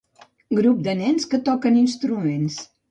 Grup de nens que toquen instruments.